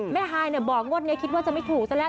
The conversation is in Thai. แม่หายบอกว่านี้คิดว่าจะไม่ถูกซะแหละ